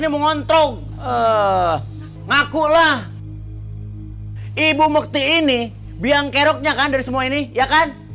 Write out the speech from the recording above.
mau ngontrol eh ngaku lah ibu mukti ini biangkerok nya kan dari semua ini ya kan